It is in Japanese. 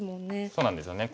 そうなんですよね。